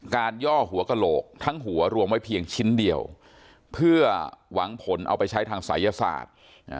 ย่อหัวกระโหลกทั้งหัวรวมไว้เพียงชิ้นเดียวเพื่อหวังผลเอาไปใช้ทางศัยศาสตร์